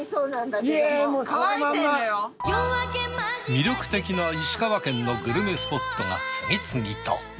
魅力的な石川県のグルメスポットが次々と。